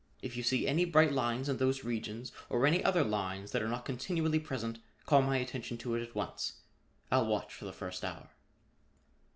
If you see any bright lines in those regions or any other lines that are not continually present, call my attention to it at once. I'll watch for the first hour."